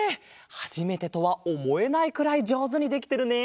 はじめてとはおもえないくらいじょうずにできてるね。